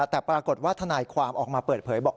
แต่ปรากฏว่าทนายความออกมาเปิดเผยบอก